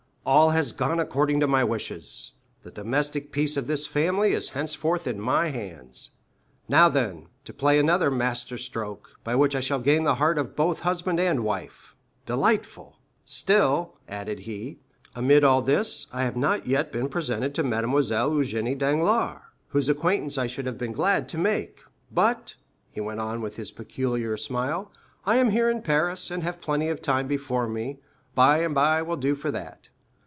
"All has gone according to my wishes. The domestic peace of this family is henceforth in my hands. Now, then, to play another master stroke, by which I shall gain the heart of both husband and wife—delightful! Still," added he, "amid all this, I have not yet been presented to Mademoiselle Eugénie Danglars, whose acquaintance I should have been glad to make. But," he went on with his peculiar smile, "I am here in Paris, and have plenty of time before me—by and by will do for that."